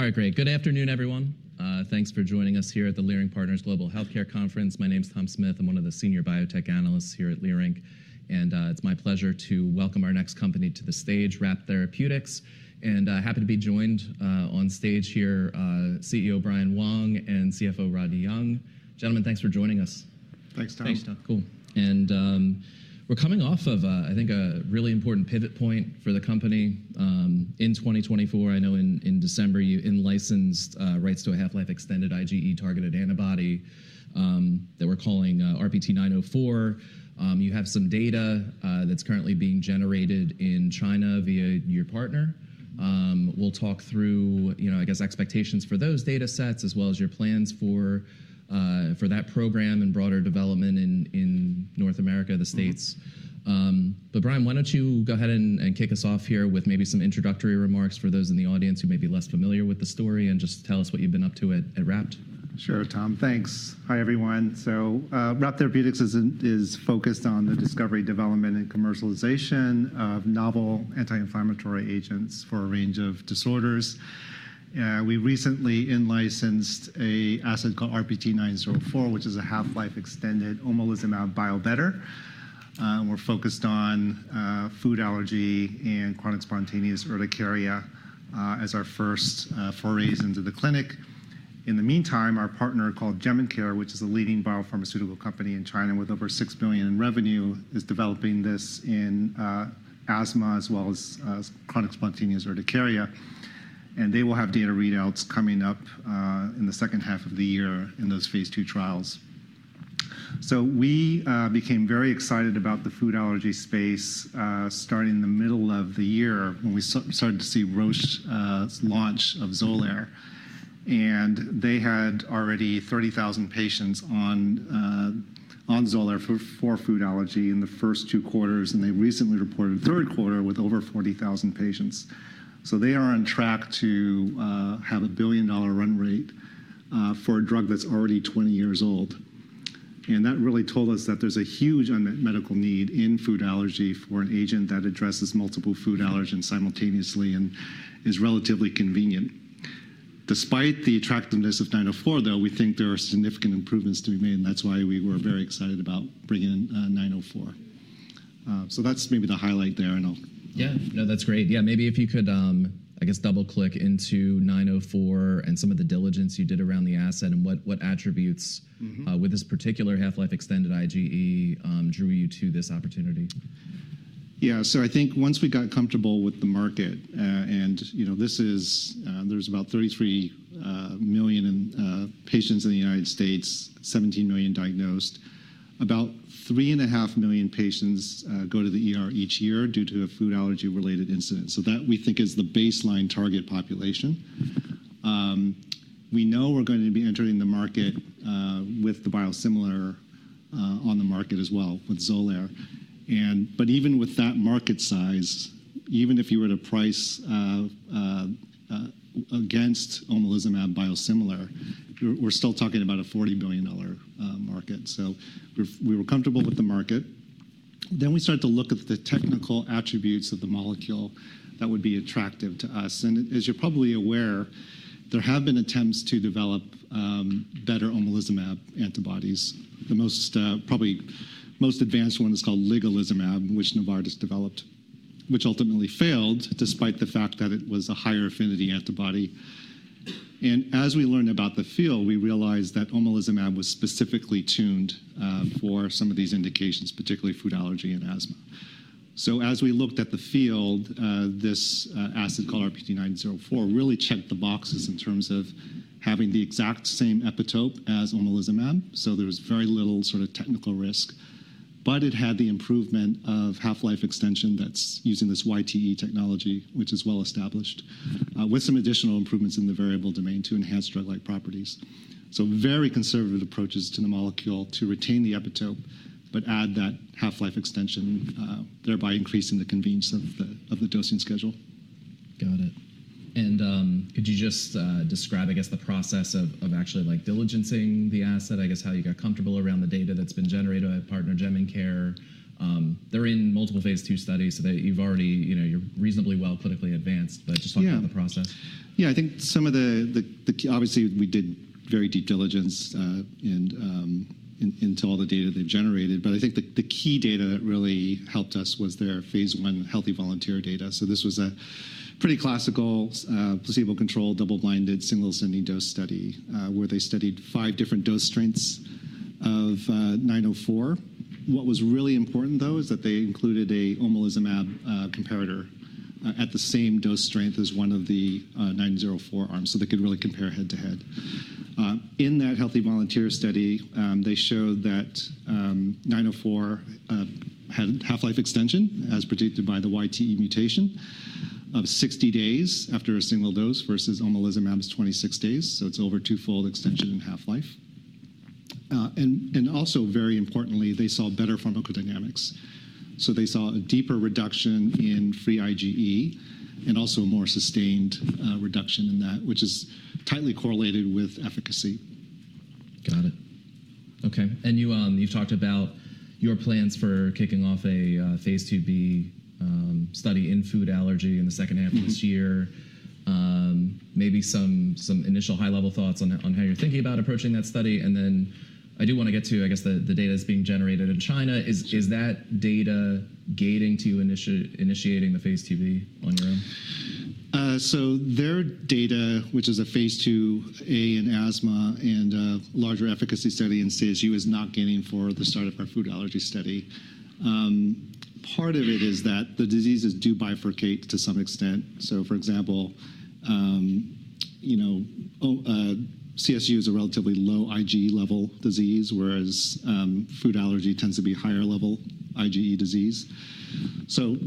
All right, great. Good afternoon, everyone. Thanks for joining us here at the Leerink Partners Global Healthcare Conference. My name is Tom Smith. I'm one of the senior biotech analysts here at Leerink. It's my pleasure to welcome our next company to the stage, RAPT Therapeutics. Happy to be joined on stage here, CEO Brian Wong and CFO Rodney Young. Gentlemen, thanks for joining us. Thanks, Tom. Thanks, Tom. Cool. We're coming off of, I think, a really important pivot point for the company. In 2024, I know in December, you licensed rights to a half-life extended IgE targeted antibody that we're calling RPT-904. You have some data that's currently being generated in China via your partner. We'll talk through, I guess, expectations for those data sets, as well as your plans for that program and broader development in North America, the States. Brian, why don't you go ahead and kick us off here with maybe some introductory remarks for those in the audience who may be less familiar with the story, and just tell us what you've been up to at RAPT. Sure, Tom. Thanks. Hi, everyone. RAPT Therapeutics is focused on the discovery, development, and commercialization of novel anti-inflammatory agents for a range of disorders. We recently licensed an asset called RPT-904, which is a half-life extended omalizumab biobetter. We're focused on food allergy and chronic spontaneous urticaria as our first forays into the clinic. In the meantime, our partner called Jemincare, which is a leading biopharmaceutical company in China with over $6 billion in revenue, is developing this in asthma as well as chronic spontaneous urticaria. They will have data readouts coming up in the second half of the year in those phase II trials. We became very excited about the food allergy space starting in the middle of the year when we started to see Roche's launch of Xolair. They had already 30,000 patients on Xolair for food allergy in the first two quarters. They recently reported a third quarter with over 40,000 patients. They are on track to have a billion-dollar run rate for a drug that is already 20 years old. That really told us that there is a huge unmet medical need in food allergy for an agent that addresses multiple food allergens simultaneously and is relatively convenient. Despite the attractiveness of 904, though, we think there are significant improvements to be made. That is why we were very excited about bringing in 904. That is maybe the highlight there. Yeah, no, that's great. Yeah, maybe if you could, I guess, double-click into 904 and some of the diligence you did around the asset and what attributes with this particular half-life extended IgE drew you to this opportunity. Yeah, so I think once we got comfortable with the market, and there's about 33 million patients in the United States, 17 million diagnosed, about 3.5 million patients go to the ER each year due to a food allergy-related incident. That, we think, is the baseline target population. We know we're going to be entering the market with the biosimilar on the market as well with Xolair. Even with that market size, even if you were to price against omalizumab biosimilar, we're still talking about a $40 billion market. We were comfortable with the market. We started to look at the technical attributes of the molecule that would be attractive to us. As you're probably aware, there have been attempts to develop better omalizumab antibodies. The most advanced one is called ligelizumab, which Novartis developed, which ultimately failed despite the fact that it was a higher affinity antibody. As we learned about the field, we realized that omalizumab was specifically tuned for some of these indications, particularly food allergy and asthma. As we looked at the field, this asset called RPT-904 really checked the boxes in terms of having the exact same epitope as omalizumab. There was very little sort of technical risk. It had the improvement of half-life extension that's using this YTE technology, which is well established, with some additional improvements in the variable domain to enhance drug-like properties. Very conservative approaches to the molecule to retain the epitope, but add that half-life extension, thereby increasing the convenience of the dosing schedule. Got it. Could you just describe, I guess, the process of actually diligencing the asset, I guess, how you got comfortable around the data that's been generated by partner Jemincare? They're in multiple phase II studies. You've already, you're reasonably well clinically advanced. Just talk about the process. Yeah, I think some of the obviously, we did very deep diligence into all the data they've generated. I think the key data that really helped us was their phase I healthy volunteer data. This was a pretty classical placebo-controlled double-blinded single ascending dose study where they studied five different dose strengths of 904. What was really important, though, is that they included an omalizumab comparator at the same dose strength as one of the 904 arms so they could really compare head to head. In that healthy volunteer study, they showed that 904 had half-life extension as predicted by the YTE mutation of 60 days after a single dose versus omalizumab's 26 days. It is over twofold extension in half-life. Also, very importantly, they saw better pharmacodynamics. They saw a deeper reduction in free IgE and also a more sustained reduction in that, which is tightly correlated with efficacy. Got it. OK. You have talked about your plans for kicking off a phase IIB study in food allergy in the second half of this year, maybe some initial high-level thoughts on how you are thinking about approaching that study. I do want to get to, I guess, the data that is being generated in China. Is that data gating to you initiating the phase IIB on your own? Their data, which is a phase IIA in asthma and a larger efficacy study in CSU, is not gating for the start of our food allergy study. Part of it is that the diseases do bifurcate to some extent. For example, CSU is a relatively low IgE level disease, whereas food allergy tends to be higher level IgE disease.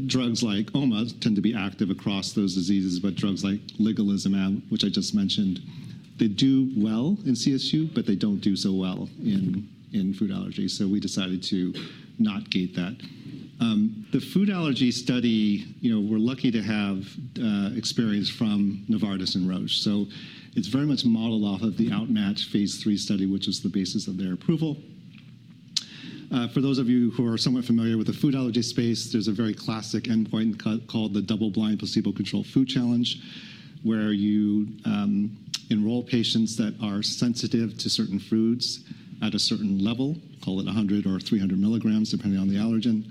Drugs like Oma tend to be active across those diseases. Drugs like ligelizumab, which I just mentioned, do well in CSU, but they do not do so well in food allergy. We decided to not gate that. The food allergy study, we are lucky to have experience from Novartis and Roche. It is very much modeled off of the OutMatch phase III study, which was the basis of their approval. For those of you who are somewhat familiar with the food allergy space, there's a very classic endpoint called the double-blind placebo-controlled food challenge, where you enroll patients that are sensitive to certain foods at a certain level, call it 100 or 300mg, depending on the allergen.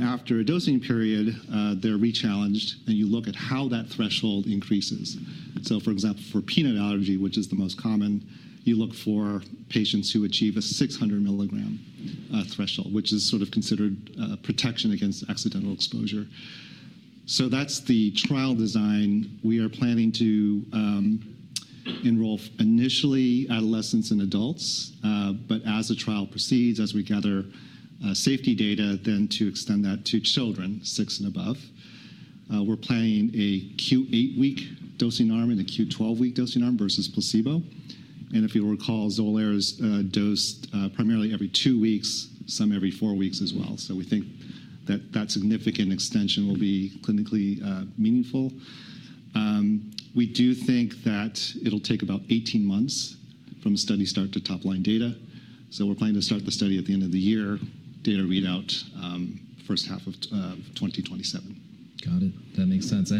After a dosing period, they're re-challenged. You look at how that threshold increases. For example, for peanut allergy, which is the most common, you look for patients who achieve a 600mg threshold, which is sort of considered protection against accidental exposure. That's the trial design. We are planning to enroll initially adolescents and adults. As the trial proceeds, as we gather safety data, then to extend that to children, six and above. We're planning a Q8 week dosing arm and a Q12 week dosing arm versus placebo. If you'll recall, Xolair is dosed primarily every two weeks, some every four weeks as well. We think that that significant extension will be clinically meaningful. We do think that it'll take about 18 months from study start to top line data. We're planning to start the study at the end of the year, data readout first half of 2027. Got it. That makes sense.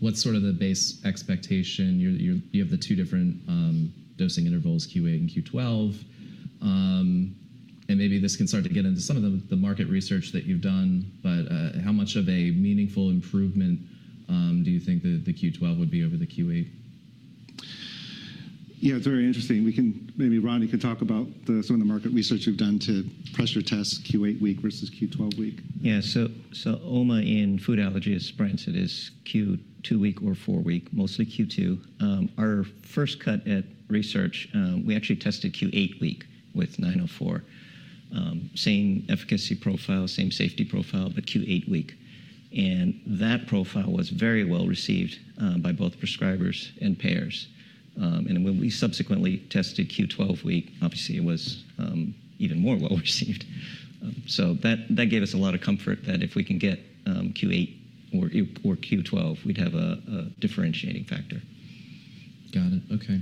What's sort of the base expectation? You have the two different dosing intervals, Q8 and Q12. Maybe this can start to get into some of the market research that you've done. How much of a meaningful improvement do you think the Q12 would be over the Q8? Yeah, it's very interesting. Maybe Rodney can talk about some of the market research we've done to pressure test Q8 week versus Q12 week. Yeah, so Oma in food allergy is, Brian, it is Q2 week or four week, mostly Q2. Our first cut at research, we actually tested Q8 week with 904, same efficacy profile, same safety profile, but Q8 week. That profile was very well received by both prescribers and payers. When we subsequently tested Q12 week, obviously, it was even more well received. That gave us a lot of comfort that if we can get Q8 or Q12, we'd have a differentiating factor. Got it. OK.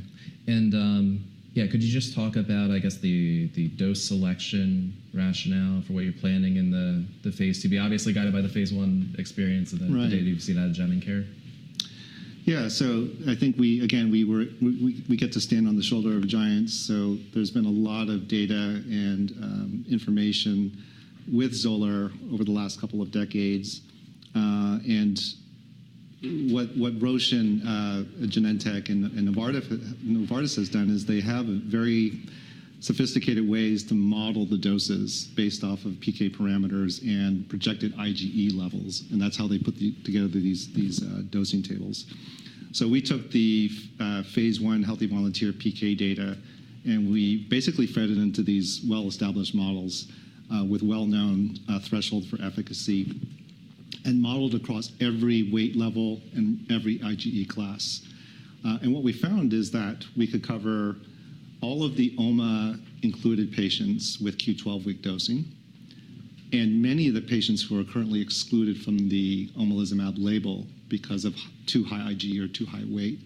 Yeah, could you just talk about, I guess, the dose selection rationale for what you're planning in the phase IIB, obviously guided by the phase I experience and the data you've seen out of Jemincare? Yeah, so I think, again, we get to stand on the shoulder of giants. There has been a lot of data and information with Xolair over the last couple of decades. What Roche, Genentech, and Novartis have done is they have very sophisticated ways to model the doses based off of PK parameters and projected IgE levels. That is how they put together these dosing tables. We took the phase I healthy volunteer PK data, and we basically fed it into these well-established models with well-known thresholds for efficacy and modeled across every weight level and every IgE class. What we found is that we could cover all of the OMA-included patients with Q12 week dosing and many of the patients who are currently excluded from the omalizumab label because of too high IgE or too high weight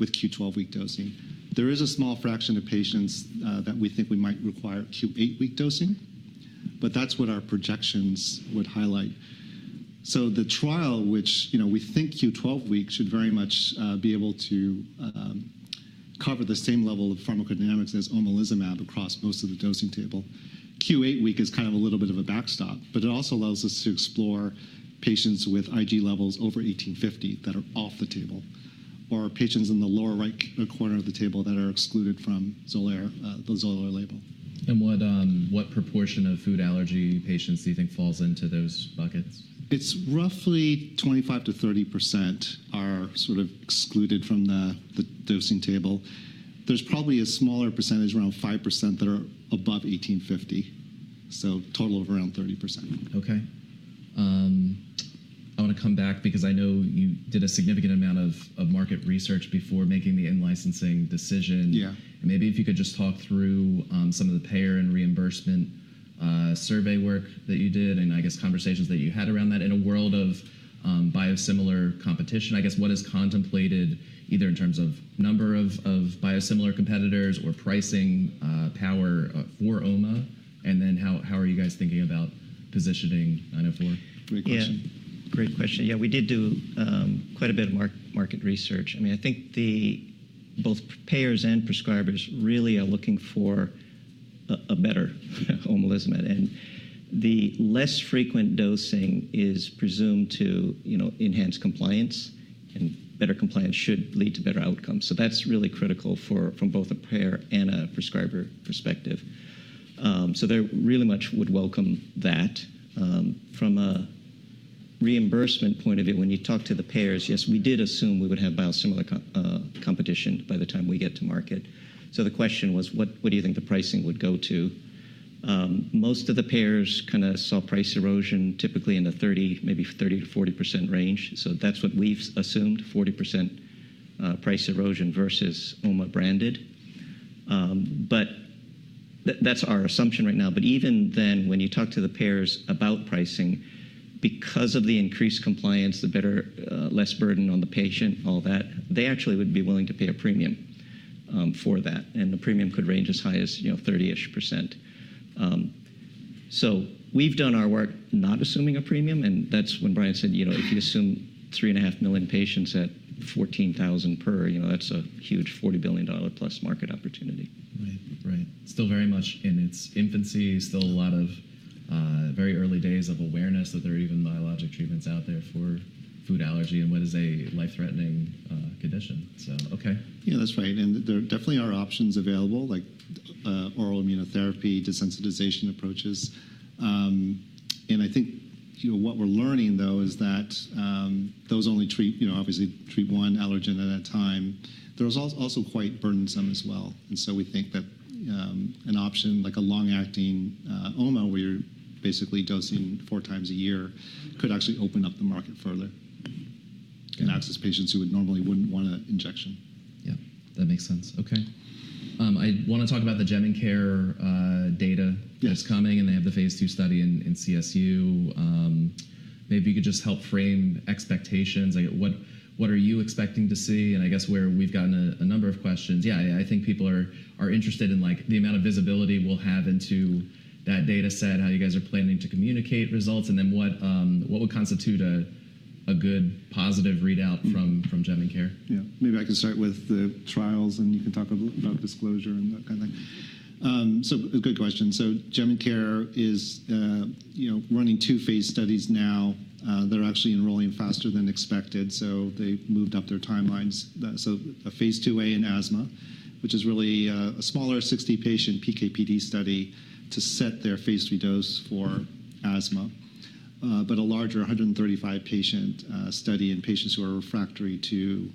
with Q12 week dosing. There is a small fraction of patients that we think we might require Q8 week dosing. That is what our projections would highlight. The trial, which we think Q12 week should very much be able to cover the same level of pharmacodynamics as omalizumab across most of the dosing table, Q8 week is kind of a little bit of a backstop. It also allows us to explore patients with IgE levels over 1850 that are off the table or patients in the lower right corner of the table that are excluded from the Xolair label. What proportion of food allergy patients do you think falls into those buckets? It's roughly 25%-30% are sort of excluded from the dosing table. There's probably a smaller percentage, around 5%, that are above 1850, so a total of around 30%. OK. I want to come back because I know you did a significant amount of market research before making the in-licensing decision. Maybe if you could just talk through some of the payer and reimbursement survey work that you did and, I guess, conversations that you had around that. In a world of biosimilar competition, I guess, what is contemplated either in terms of number of biosimilar competitors or pricing power for OMA? How are you guys thinking about positioning 904? Great question. Yeah, great question. Yeah, we did do quite a bit of market research. I mean, I think both payers and prescribers really are looking for a better omalizumab. The less frequent dosing is presumed to enhance compliance. Better compliance should lead to better outcomes. That is really critical from both a payer and a prescriber perspective. They really much would welcome that. From a reimbursement point of view, when you talk to the payers, yes, we did assume we would have biosimilar competition by the time we get to market. The question was, what do you think the pricing would go to? Most of the payers kind of saw price erosion typically in the 30%-40% range. That is what we have assumed, 40% price erosion versus Oma branded. That is our assumption right now. Even then, when you talk to the payers about pricing, because of the increased compliance, the less burden on the patient, all that, they actually would be willing to pay a premium for that. The premium could range as high as 30% ish. We have done our work not assuming a premium. That is when Brian said, if you assume 3.5 million patients at $14,000 per, that is a huge $40 billion+ market opportunity. Right, right. Still very much in its infancy, still a lot of very early days of awareness that there are even biologic treatments out there for food allergy and what is a life-threatening condition. OK. Yeah, that's right. There definitely are options available, like oral immunotherapy, desensitization approaches. I think what we're learning, though, is that those only treat, obviously, treat one allergen at a time. They're also quite burdensome as well. We think that an option, like a long-acting OMA, where you're basically dosing four times a year, could actually open up the market further and access patients who normally wouldn't want an injection. Yeah, that makes sense. OK. I want to talk about the Jemincare data that's coming. They have the phase II study in CSU. Maybe you could just help frame expectations. What are you expecting to see? I guess where we've gotten a number of questions. I think people are interested in the amount of visibility we'll have into that data set, how you guys are planning to communicate results, and what would constitute a good positive readout from Jemincare. Yeah, maybe I can start with the trials. You can talk about disclosure and that kind of thing. Good question. Jemincare is running two phase studies now. They're actually enrolling faster than expected. They moved up their timelines. A phase IIA in asthma, which is really a smaller 60-patient PK/PD study to set their phase III dose for asthma, but a larger 135-patient study in patients who are refractory to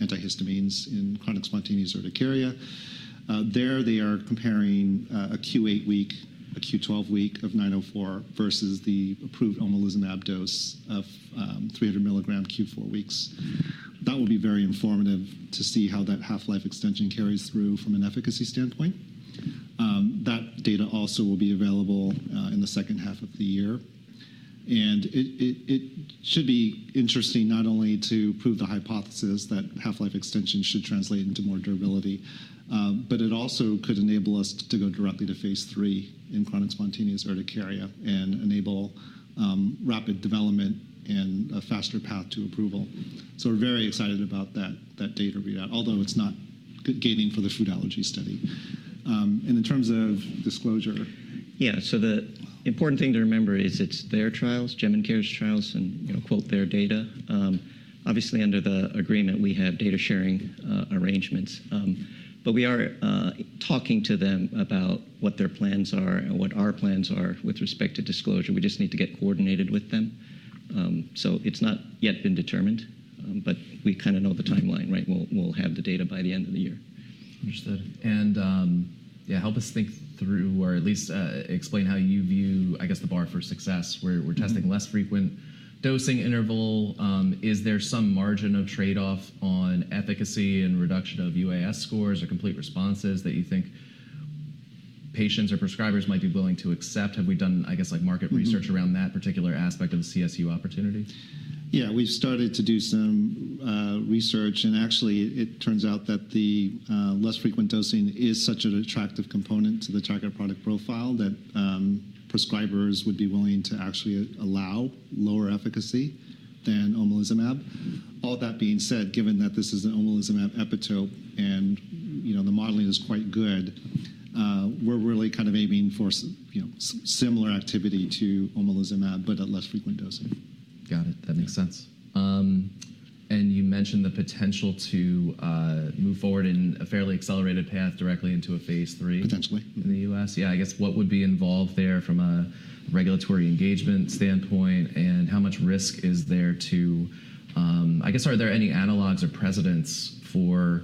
antihistamines in chronic spontaneous urticaria. There, they are comparing a Q8 week, a Q12 week of 904 versus the approved omalizumab dose of 300 mg Q4 weeks. That will be very informative to see how that half-life extension carries through from an efficacy standpoint. That data also will be available in the second half of the year. It should be interesting not only to prove the hypothesis that half-life extension should translate into more durability, but it also could enable us to go directly to phase III in chronic spontaneous urticaria and enable rapid development and a faster path to approval. We are very excited about that data readout, although it is not gating for the food allergy study. In terms of disclosure. Yeah, so the important thing to remember is it's their trials, Jemincare's trials, and quote their data. Obviously, under the agreement, we have data sharing arrangements. We are talking to them about what their plans are and what our plans are with respect to disclosure. We just need to get coordinated with them. It is not yet been determined. We kind of know the timeline, right? We'll have the data by the end of the year. Understood. Yeah, help us think through, or at least explain how you view, I guess, the bar for success. We're testing less frequent dosing interval. Is there some margin of trade-off on efficacy and reduction of UAS scores or complete responses that you think patients or prescribers might be willing to accept? Have we done, I guess, market research around that particular aspect of the CSU opportunity? Yeah, we've started to do some research. Actually, it turns out that the less frequent dosing is such an attractive component to the target product profile that prescribers would be willing to actually allow lower efficacy than omalizumab. All that being said, given that this is an omalizumab epitope and the modeling is quite good, we're really kind of aiming for similar activity to omalizumab, but at less frequent dosing. Got it. That makes sense. You mentioned the potential to move forward in a fairly accelerated path directly into a phase III. Potentially. In the U.S.? Yeah, I guess, what would be involved there from a regulatory engagement standpoint? How much risk is there to, I guess, are there any analogs or precedents for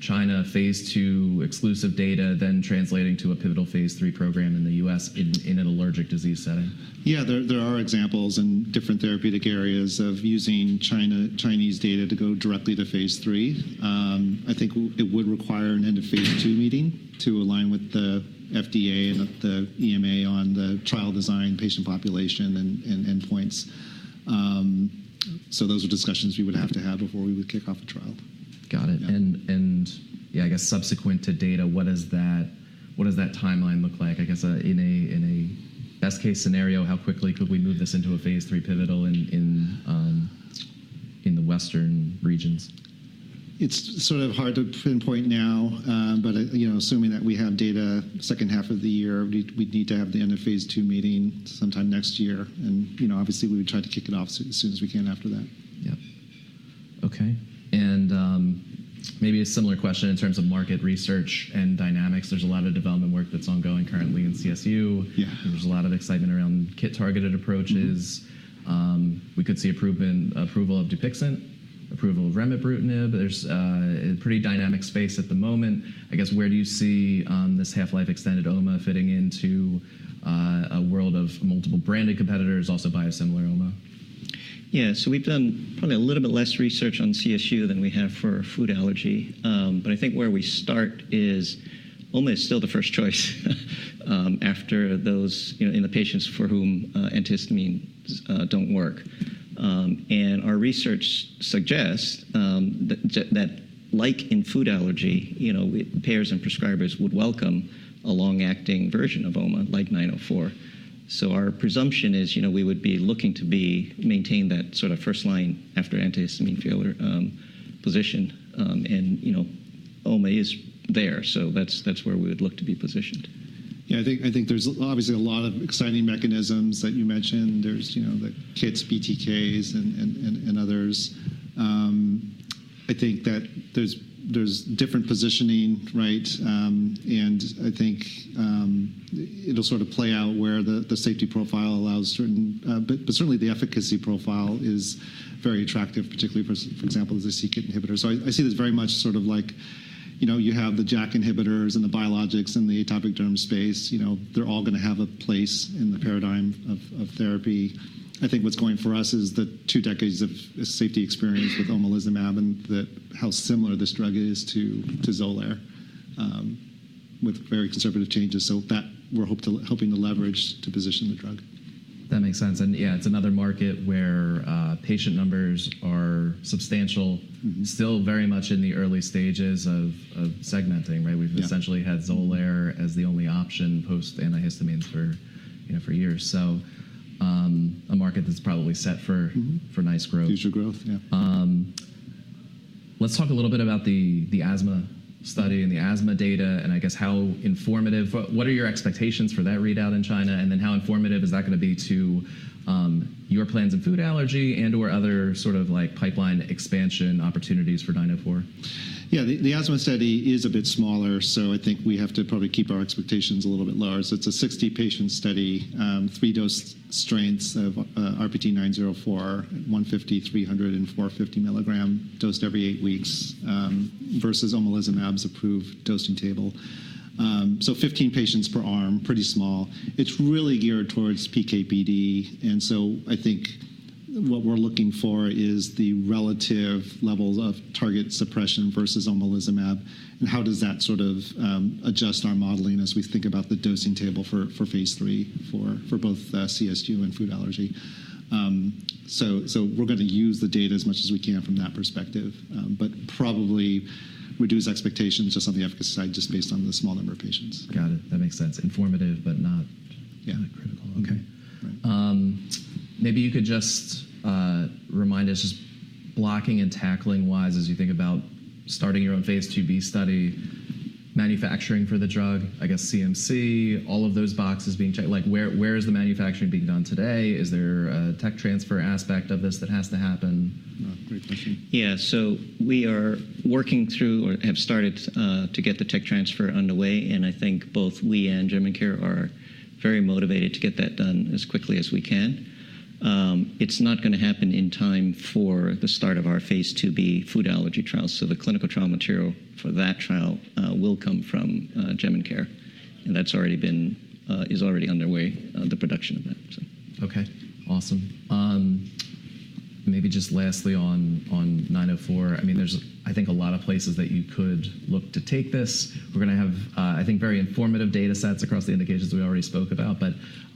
China phase II exclusive data then translating to a pivotal phase III program in the U.S. in an allergic disease setting? Yeah, there are examples in different therapeutic areas of using Chinese data to go directly to phase III. I think it would require an end of phase II meeting to align with the FDA and the EMA on the trial design, patient population, and endpoints. Those are discussions we would have to have before we would kick off a trial. Got it. Yeah, I guess subsequent to data, what does that timeline look like? I guess in a best-case scenario, how quickly could we move this into a phase III pivotal in the Western regions? It's sort of hard to pinpoint now. Assuming that we have data second half of the year, we'd need to have the end of phase II meeting sometime next year. Obviously, we would try to kick it off as soon as we can after that. Yeah. OK. Maybe a similar question in terms of market research and dynamics. There's a lot of development work that's ongoing currently in CSU. There's a lot of excitement around KIT-targeted approaches. We could see approval of Dupixent, approval of remibrutinib. There's a pretty dynamic space at the moment. I guess, where do you see this half-life extended Oma fitting into a world of multiple branded competitors, also biosimilar Oma? Yeah, so we've done probably a little bit less research on CSU than we have for food allergy. I think where we start is Oma is still the first choice in the patients for whom antihistamines don't work. Our research suggests that, like in food allergy, payers and prescribers would welcome a long-acting version of OMA, like 904. Our presumption is we would be looking to maintain that sort of first line after antihistamine failure position. Oma is there. That's where we would look to be positioned. Yeah, I think there's obviously a lot of exciting mechanisms that you mentioned. There's the KITs, BTKs, and others. I think that there's different positioning, right? I think it'll sort of play out where the safety profile allows certain but certainly, the efficacy profile is very attractive, particularly, for example, as a c-KIT inhibitor. I see this very much sort of like you have the JAK inhibitors and the biologics in the atopic derm space. They're all going to have a place in the paradigm of therapy. I think what's going for us is the two decades of safety experience with omalizumab and how similar this drug is to Xolair with very conservative changes. That we're hoping to leverage to position the drug. That makes sense. Yeah, it's another market where patient numbers are substantial, still very much in the early stages of segmenting, right? We've essentially had Xolair as the only option post antihistamines for years. A market that's probably set for nice growth. Future growth, yeah. Let's talk a little bit about the asthma study and the asthma data and, I guess, how informative what are your expectations for that readout in China? How informative is that going to be to your plans and food allergy and/or other sort of pipeline expansion opportunities for 904? Yeah, the asthma study is a bit smaller. I think we have to probably keep our expectations a little bit lower. It is a 60-patient study, three dose strengths of RPT-904, 150, 300, and 450 mg dosed every eight weeks versus omalizumab's approved dosing table. Fifteen patients per arm, pretty small. It is really geared towards PK/PD. I think what we are looking for is the relative levels of target suppression versus omalizumab. How does that sort of adjust our modeling as we think about the dosing table for phase III for both CSU and food allergy? We are going to use the data as much as we can from that perspective, but probably reduce expectations just on the efficacy side just based on the small number of patients. Got it. That makes sense. Informative, but not critical. OK. Maybe you could just remind us, just blocking and tackling wise, as you think about starting your own phase IIB study, manufacturing for the drug, I guess, CMC, all of those boxes being checked. Where is the manufacturing being done today? Is there a tech transfer aspect of this that has to happen? Great question. Yeah, we are working through or have started to get the tech transfer underway. I think both we and Jemincare are very motivated to get that done as quickly as we can. It's not going to happen in time for the start of our phase IIB food allergy trials. The clinical trial material for that trial will come from Jemincare. That's already underway, the production of that. OK, awesome. Maybe just lastly on 904, I mean, there's, I think, a lot of places that you could look to take this. We're going to have, I think, very informative data sets across the indications we already spoke about.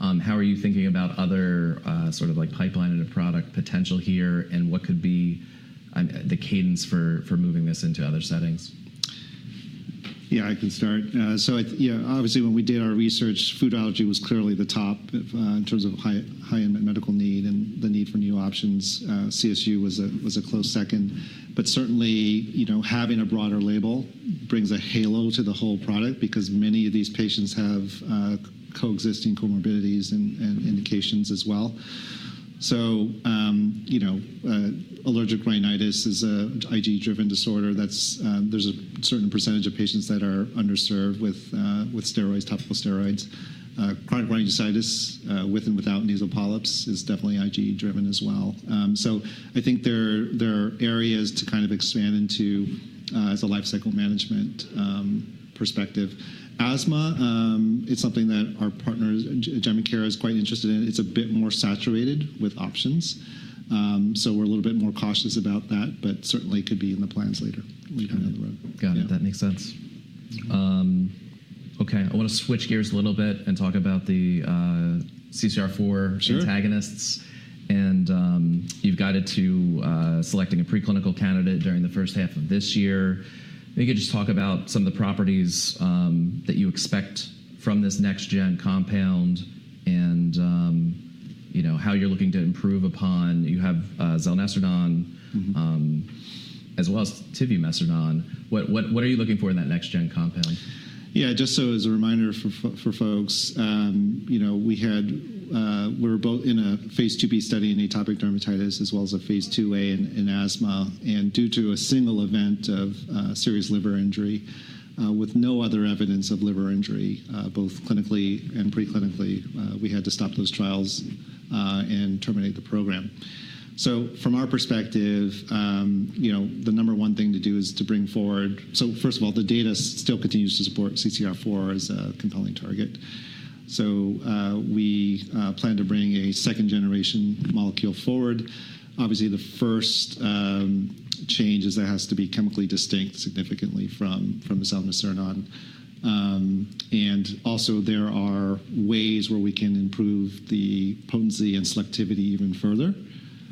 How are you thinking about other sort of pipeline and product potential here? What could be the cadence for moving this into other settings? Yeah, I can start. Obviously, when we did our research, food allergy was clearly the top in terms of high-end medical need and the need for new options. CSU was a close second. Certainly, having a broader label brings a halo to the whole product because many of these patients have coexisting comorbidities and indications as well. Allergic rhinitis is an IgE-driven disorder. There's a certain percentage of patients that are underserved with steroids, topical steroids. Chronic rhinosinusitis with and without nasal polyps is definitely IgE-driven as well. I think there are areas to kind of expand into as a lifecycle management perspective. Asthma, it's something that our partner, Jemincare, is quite interested in. It's a bit more saturated with options. We're a little bit more cautious about that, but certainly could be in the plans later down the road. Got it. That makes sense. OK, I want to switch gears a little bit and talk about the CCR4 antagonists. And you've guided to selecting a preclinical candidate during the first half of this year. Maybe you could just talk about some of the properties that you expect from this next-gen compound and how you're looking to improve upon. You have zelnecirnon as well as tivumecirnon. What are you looking for in that next-gen compound? Yeah, just so as a reminder for folks, we were both in a phase IIB study in atopic dermatitis as well as a phase IIA in asthma. Due to a single event of serious liver injury with no other evidence of liver injury, both clinically and preclinically, we had to stop those trials and terminate the program. From our perspective, the number one thing to do is to bring forward, so first of all, the data still continues to support CCR4 as a compelling target. We plan to bring a second-generation molecule forward. Obviously, the first change is it has to be chemically distinct significantly from zelnecirnon. Also, there are ways where we can improve the potency and selectivity even further.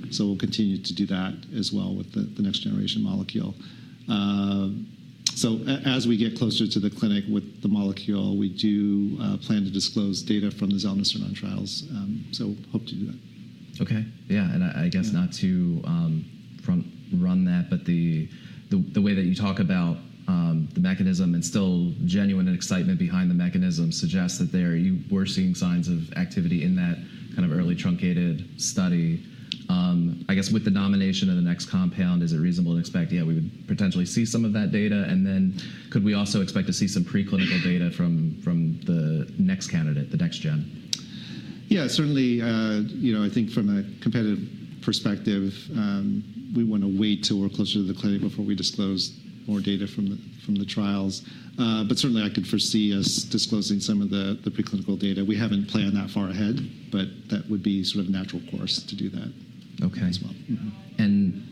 We will continue to do that as well with the next-generation molecule. As we get closer to the clinic with the molecule, we do plan to disclose data from the zelnecirnon trials. Hope to do that. OK. Yeah, and I guess not to run that, but the way that you talk about the mechanism and still genuine excitement behind the mechanism suggests that you were seeing signs of activity in that kind of early truncated study. I guess with the nomination of the next compound, is it reasonable to expect, yeah, we would potentially see some of that data? And then could we also expect to see some preclinical data from the next candidate, the next gen? Yeah, certainly. I think from a competitive perspective, we want to wait till we're closer to the clinic before we disclose more data from the trials. Certainly, I could foresee us disclosing some of the preclinical data. We haven't planned that far ahead. That would be sort of a natural course to do that as well.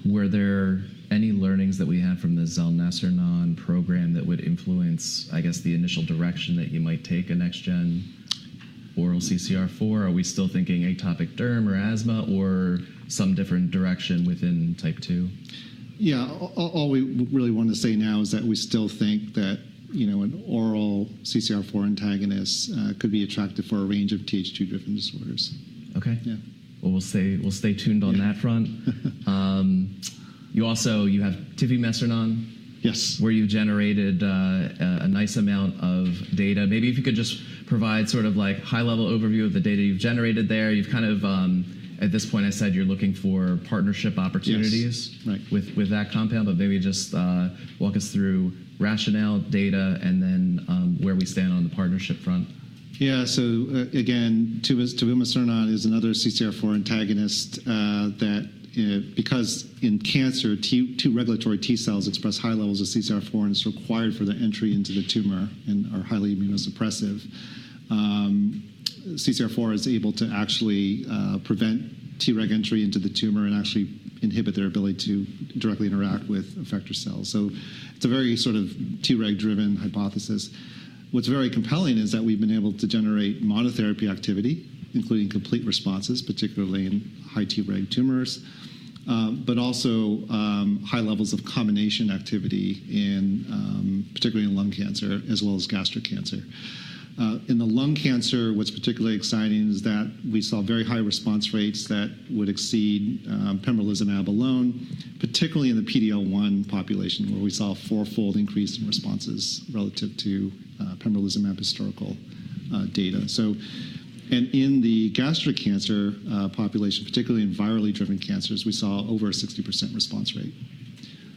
Were there any learnings that we had from the zelnecirnon program that would influence, I guess, the initial direction that you might take a next-gen oral CCR4? Are we still thinking atopic derm or asthma or some different direction within type two? Yeah, all we really want to say now is that we still think that an oral CCR4 antagonist could be attractive for a range of Th2-driven disorders. OK. We'll stay tuned on that front. You also have tivumecirnon where you generated a nice amount of data. Maybe if you could just provide sort of high-level overview of the data you've generated there. You've kind of, at this point, I said you're looking for partnership opportunities with that compound. Maybe just walk us through rationale, data, and then where we stand on the partnership front. Yeah, so again, tivumecirnon is another CCR4 antagonist that, because in cancer, T regulatory T cells express high levels of CCR4 and it's required for the entry into the tumor and are highly immunosuppressive. CCR4 is able to actually prevent Treg entry into the tumor and actually inhibit their ability to directly interact with effector cells. It is a very sort of Treg-driven hypothesis. What's very compelling is that we've been able to generate monotherapy activity, including complete responses, particularly in high Treg tumors, but also high levels of combination activity, particularly in lung cancer as well as gastric cancer. In the lung cancer, what's particularly exciting is that we saw very high response rates that would exceed pembrolizumab alone, particularly in the PD-L1 population, where we saw a four-fold increase in responses relative to pembrolizumab historical data. In the gastric cancer population, particularly in virally-driven cancers, we saw over a 60% response rate.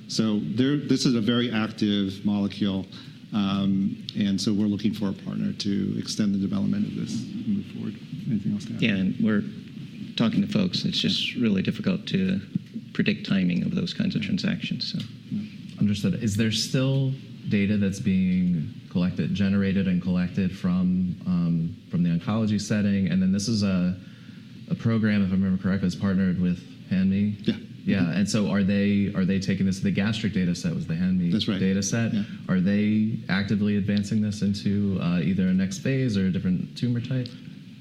This is a very active molecule. We are looking for a partner to extend the development of this and move forward. Anything else to add? Yeah, and we're talking to folks. It's just really difficult to predict timing of those kinds of transactions. Understood. Is there still data that's being collected, generated, and collected from the oncology setting? This is a program, if I remember correctly, that's partnered with Hanmi. Yeah. Yeah, and so are they taking this? The gastric data set was the Hanmi data set. Are they actively advancing this into either a next phase or a different tumor type?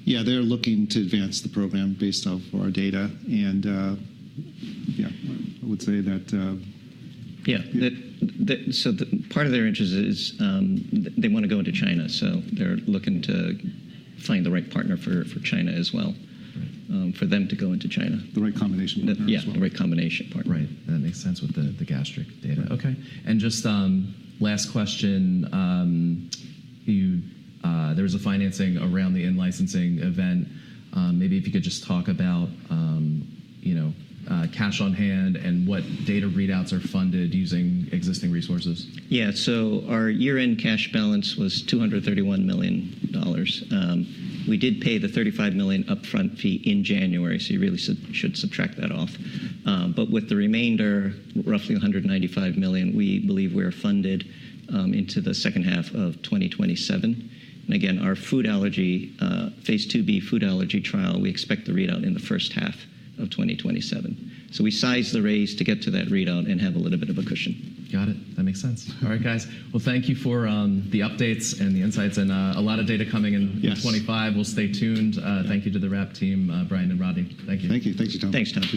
Yeah, they're looking to advance the program based off of our data. I would say that. Yeah, part of their interest is they want to go into China. They're looking to find the right partner for China as well for them to go into China. The right combination partner. Yeah, the right combination partner. Right, that makes sense with the gastric data. OK, and just last question. There was a financing around the in-licensing event. Maybe if you could just talk about cash on hand and what data readouts are funded using existing resources. Yeah, so our year-end cash balance was $231 million. We did pay the $35 million upfront fee in January. You really should subtract that off. With the remainder, roughly $195 million, we believe we are funded into the second half of 2027. Again, our food allergy, phase IIB food allergy trial, we expect the readout in the first half of 2027. We sized the raise to get to that readout and have a little bit of a cushion. Got it. That makes sense. All right, guys. Thank you for the updates and the insights. A lot of data coming in 2025. We'll stay tuned. Thank you to the RAPT team, Brian and Rodney. Thank you. Thank you. Thank you, Tom. Thanks, Tom.